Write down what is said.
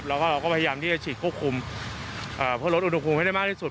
แล้วก็เราก็พยายามที่จะฉีดควบคุมเพื่อลดอุณหภูมิให้ได้มากที่สุด